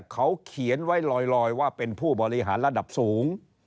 เขาเขียนไว้ลอยว่าเป็นผู้บริหารระดับสูง